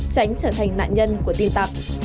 tránh trở thành nạn nhân của tin tặng